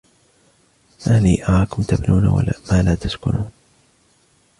مَا لِي أَرَاكُمْ تَبْنُونَ مَا لَا تَسْكُنُونَ